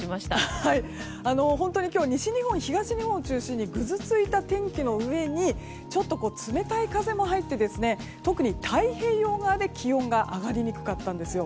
本当に今日は西日本、東日本を中心にぐずついた天気の上にちょっと冷たい風も入って特に太平洋側で気温が上がりにくかったんです。